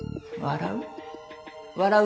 笑う？